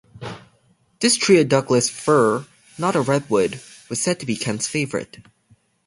This tree-a Douglas fir, not a redwood-was said to be Kent's favorite.